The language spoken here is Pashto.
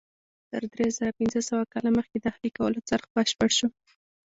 تر درې زره پنځه سوه کاله مخکې د اهلي کولو څرخ بشپړ شو.